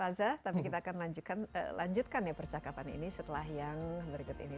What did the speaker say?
aza tapi kita akan lanjutkan ya percakapan ini setelah yang berikut ini